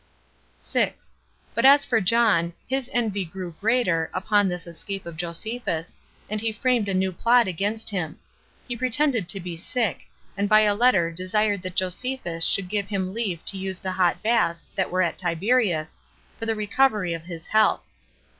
6. But as for John, his envy grew greater [upon this escape of Josephus], and he framed a new plot against him; he pretended to be sick, and by a letter desired that Josephus would give him leave to use the hot baths that were at Tiberias, for the recovery of his health.